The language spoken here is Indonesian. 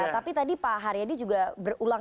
tapi tadi pak haryadi juga berulang